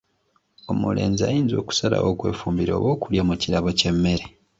Omulenzi ayinza okusalawo okwefumbira oba okulya mu kirabo ky'emmere.